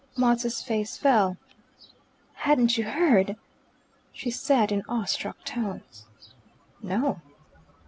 Maud's face fell. "Hadn't you heard?" she said in awe struck tones. "No."